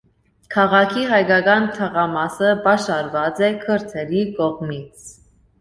Քաղաքի հայկական թաղամասը պաշարված է քրդերի կողմից։